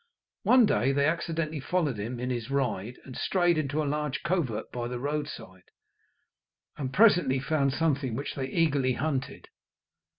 One day they accidentally followed him in his ride, and strayed into a large covert by the roadside, and presently found something which they eagerly hunted.